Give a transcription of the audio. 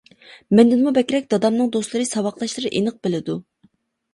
مەندىنمۇ بەكرەك دادامنىڭ دوستلىرى ساۋاقداشلىرى ئېنىق بىلىدۇ.